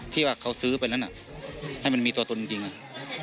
ที่ว่าเขาซื้อไปแล้วน่ะให้มันมีตัวตนจริงจริง